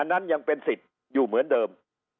นั้นยังเป็นสิทธิ์อยู่เหมือนเดิม